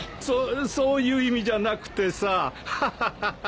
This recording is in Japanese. そそういう意味じゃなくてさハハハ。